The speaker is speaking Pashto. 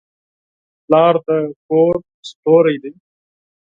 پلار د کور ستوری دی.